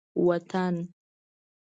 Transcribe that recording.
وطن